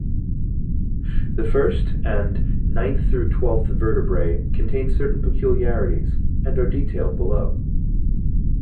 The first and ninth through twelfth vertebrae contain certain peculiarities, and are detailed below.